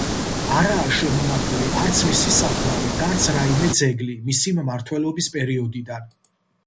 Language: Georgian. არაა შემონახული არც მისი საფლავი და არც რაიმე ძეგლი მისი მმართველობის პერიოდიდან.